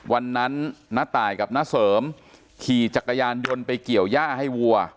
ณตายกับน้าเสริมขี่จักรยานยนต์ไปเกี่ยวย่าให้วัว